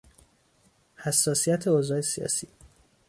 حساسیت اوضاع سیاسی